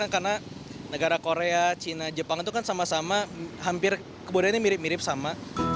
karena negara korea china jepang itu kan sama sama hampir kebudayaannya mirip mirip sama